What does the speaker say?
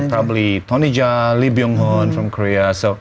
probably tony jaa lee byung hun dari korea